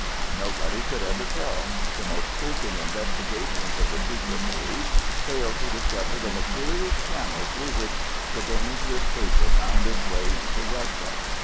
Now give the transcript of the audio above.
Nobody could ever tell; the most searching investigations of the secret police failed to discover the mysterious channel through which the dangerous paper found its way into Russia.